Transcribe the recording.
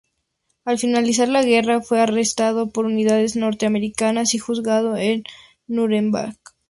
Al finalizar la guerra fue arrestado por unidades norteamericanas, y juzgado en Nuremberg.